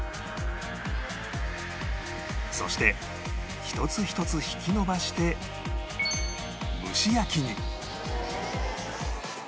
そして一つ一つ引き伸ばして蒸し焼きに